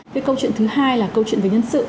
cái câu chuyện thứ hai là câu chuyện về nhân sự